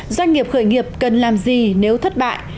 doanh nghiệp khởi nghiệp cần làm gì nếu thất bại